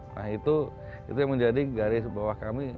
nah itu yang menjadi garis bawah kami